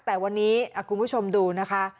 แต่วันนี้คุณผู้ชมดูนะคะ